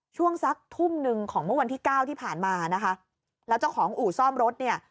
ช่วงสักทุ่มหนึ่งของเมื่อวันที่เก้าที่ผ่านมานะคะแล้วเจ้าของอู่ซ่อมรถเนี่ย